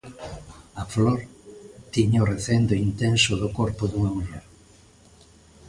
A flor tiña o recendo intenso do corpo dunha muller.